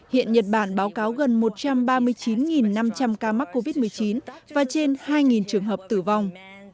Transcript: hiện nhật bản báo cáo gần một trăm ba mươi chín năm trăm linh ca mắc covid một mươi chín và trên hai trường hợp tử vong